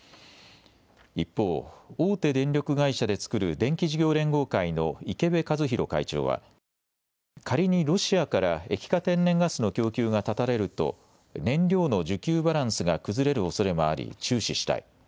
一方、大手電力会社で作る電気事業連合会の池辺和弘会長は仮にロシアから液化天然ガスの供給が絶たれると、燃料の需給バランスが崩れるおそれもあり、注視したい。